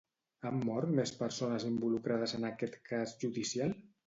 Han mort més persones involucrades en aquest cas judicial?